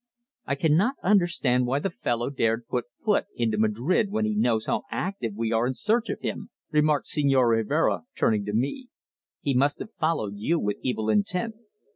"I cannot understand why the fellow dared to put foot into Madrid when he knows how active we are in search of him," remarked Señor Rivero, turning to me. "He must have followed you with evil intent.